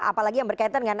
apalagi yang berkaitan dengan